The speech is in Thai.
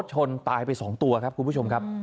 ชนตายไป๒ตัวครับคุณผู้ชมครับ